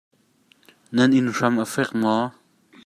Nan inn hram a fek maw?